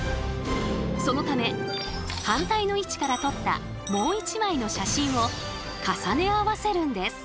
そのため反対の位置から撮ったもう一枚の写真を重ね合わせるんです。